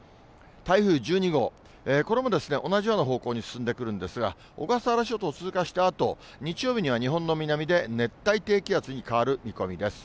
台風１２号、これも同じような方向に進んでくるんですが、小笠原諸島を通過したあと、日曜日には、日本の南で熱帯低気圧に変わる見込みです。